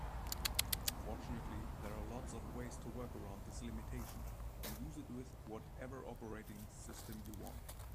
Fortunately, there are lots of ways to work around this limitation and use it with whatever operating system you want.